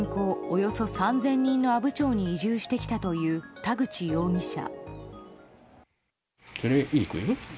およそ３０００人の阿武町に移住してきたという田口容疑者。